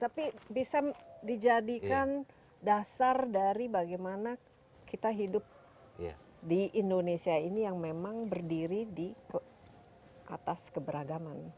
tapi bisa dijadikan dasar dari bagaimana kita hidup di indonesia ini yang memang berdiri di atas keberagaman